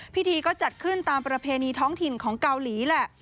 พิธีก็จัดขึ้นตามประเพณีท้องถิ่นของเกาหลีแหละ